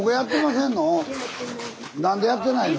何でやってないの？